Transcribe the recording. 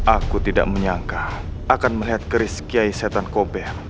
aku tidak menyangka akan melihat geris kiai setan kober